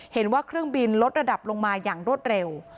เห็นว่าเครื่องบินลดระดับลงมาอย่างรวดเร็ว